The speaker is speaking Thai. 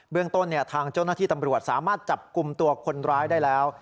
เรื่องต้นทางเจ้าหน้าที่ตำรวจสามารถจับกลุ่มตัวคนร้ายได้แล้ว